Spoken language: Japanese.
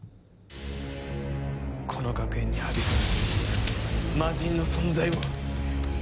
この学園にはびこる魔人の存在を。